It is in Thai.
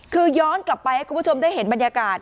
คือย้อนกลับไปให้คุณผู้ชมได้เห็นบรรยากาศ